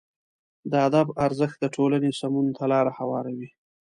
د ادب ارزښت د ټولنې سمون ته لاره هواروي.